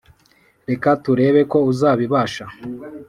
reka turebe ko uzabibasha